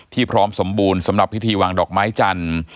พร้อมสมบูรณ์สำหรับพิธีวางดอกไม้จันทร์